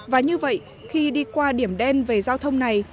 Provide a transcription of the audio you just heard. và như vậy khi đi qua điểm đen về giao thông này